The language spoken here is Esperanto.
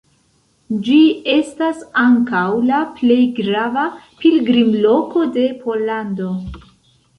Ĝi estas ankaŭ la plej grava pilgrimloko de Pollando.